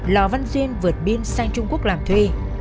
lò văn duyên vượt biên sang trung quốc làm thuê